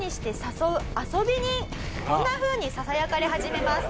こんなふうにささやかれ始めます。